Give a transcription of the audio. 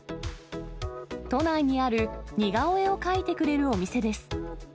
都内にある似顔絵を描いてくれるお店です。